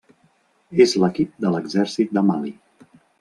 És l'equip de l'exèrcit de Mali.